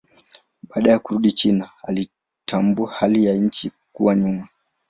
Baada ya kurudi China alitambua hali ya nchi kuwa nyuma.